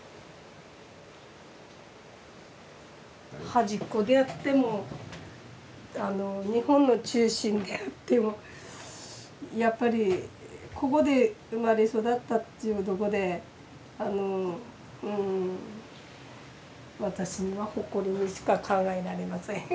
はじっこであっても日本の中心であってもやっぱりここで生まれ育ったっていうとこで私には誇りにしか考えられません。